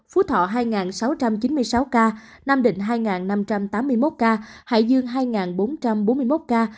phú thọ hai sáu trăm chín mươi sáu ca nam định hai năm trăm tám mươi một ca hải dương hai bốn trăm bốn mươi một ca